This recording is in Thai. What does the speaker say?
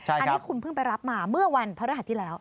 อันนี้คุณเพิ่งไปรับมาเมื่อวันพระรหัสที่แล้ว